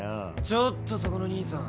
ちょっとそこのにいさん。